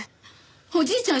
おじいちゃん